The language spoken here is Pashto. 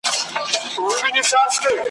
سلماني ویل خبره دي منمه ,